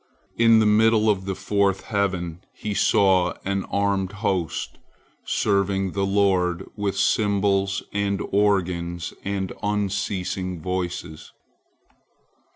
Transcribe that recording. In the middle of the fourth heaven he saw an armed host, serving the Lord with cymbals and organs and unceasing voices.